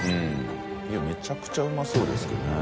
Δいやめちゃくちゃうまそうですけどね。